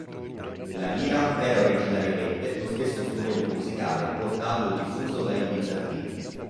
La lira era originariamente lo stesso strumento musicale portato e diffuso dai Bizantini.